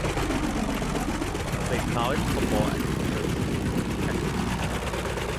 He played college football at the University of North Texas.